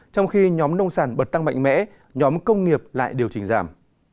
trong khi nhóm nông sản bật tăng mạnh mẽ nhóm công nghiệp lại điều chỉnh giảm